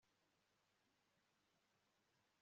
dusanze umutima wadukunze kugeza